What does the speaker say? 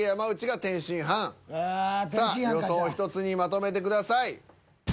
予想を１つにまとめてください。